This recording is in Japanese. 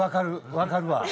わかるわ。